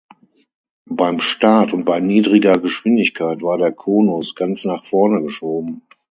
Beim Start und bei niedriger Geschwindigkeit war der Konus ganz nach vorne geschoben.